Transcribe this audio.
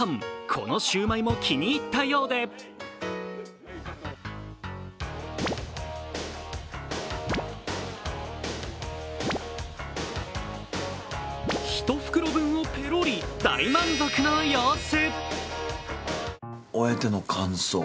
このシュウマイも気に入ったようで１袋分をペロリ大満足の様子。